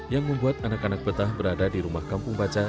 yang membuat anak anak betah berada di rumah kampung baca